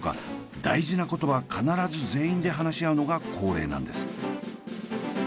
大事なことは必ず全員で話し合うのが恒例なんです。